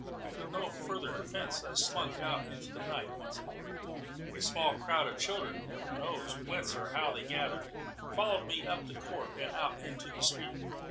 With no further defence I slunk out into the night once more. A small crowd of children (Heaven knows whence or how they gathered) followed me up the court and out into the street.